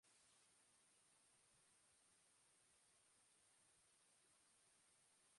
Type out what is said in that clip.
Eguzkia eta tenperatura beroa, batez ere barnealdean.